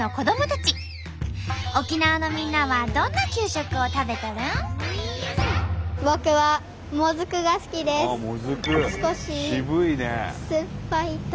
沖縄のみんなはどんな給食を食べとるん？